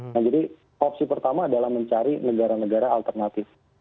nah jadi opsi pertama adalah mencari negara negara alternatif